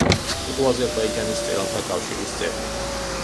იყო აზერბაიჯანის მწერალთა კავშირის წევრი.